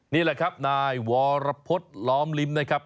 นี่แหละครับนายวรพฤษล้อมลิ้มนะครับ